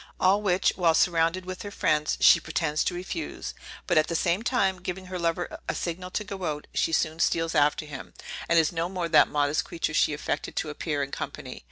all which, while surrounded with her friends, she pretends to refuse; but at the same time giving her lover a signal to go out, she soon steals after him, and is no more that modest creature she affected to appear in company.